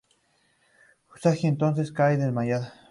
Usagi entonces cae desmayada.